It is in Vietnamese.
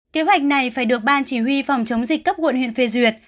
kế hoạch này phải được ban chỉ huy phòng chống dịch cấp quận huyện phê duyệt